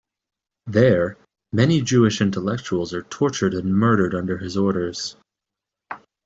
There, many Jewish intellectuals are tortured and murdered under his orders.